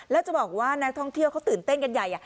แล้วจะบอกว่านักท่องเที่ยวเขาตื่นเต้นกันใหญ่